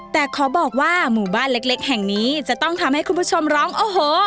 แต่ขอบอกว่าหมู่บ้านเล็กแห่งนี้จะต้องทำให้คุณผู้ชมร้องโอ้โห